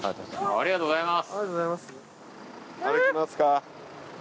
ありがとうございます。